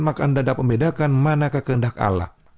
maka anda dapat membedakan manakah kehendak allah